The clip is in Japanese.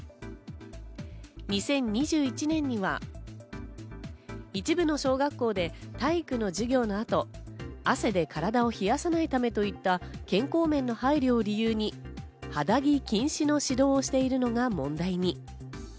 ２０２１年には、一部の小学校で体育の授業の後、汗で体を冷やさないためといった健康面の配慮を理由に肌着禁止の指導をしているのが問題に。